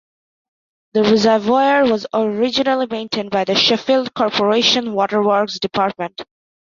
The reservoir was originally maintained by the Sheffield Corporation Waterworks Department.